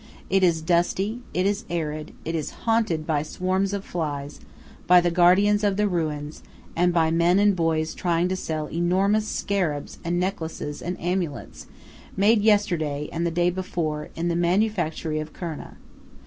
It is dusty, it is arid; it is haunted by swarms of flies, by the guardians of the ruins, and by men and boys trying to sell enormous scarabs and necklaces and amulets, made yesterday, and the day before, in the manufactory of Kurna.